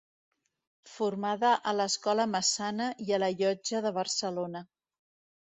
Formada a l’Escola Massana i a la Llotja de Barcelona.